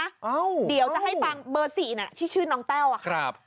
เดี๋ยวจะให้ฟังเบอร์สี่น่ะที่ชื่อน้องแต้วอะค่ะครับ